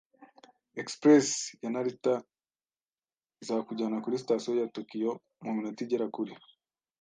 Express ya Narita izakujyana kuri Sitasiyo ya Tokiyo mu minota igera kuri